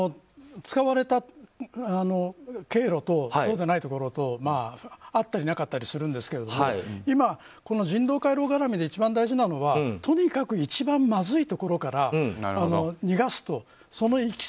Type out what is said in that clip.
使われた経路とそうではないところとあったりなかったりするんですが今、この人道回廊絡みで一番大事なのはとにかく、一番まずいところから逃がすという。